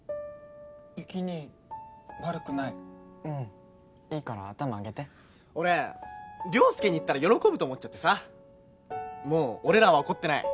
有起兄悪くないうんいいから頭上げて俺良介に言ったら喜ぶと思っちゃってさ「もう俺らは怒ってない」